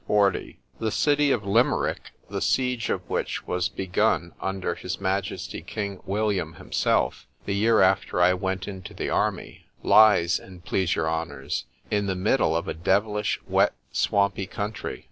XL THE city of Limerick, the siege of which was begun under his majesty king William himself, the year after I went into the army—lies, an' please your honours, in the middle of a devilish wet, swampy country.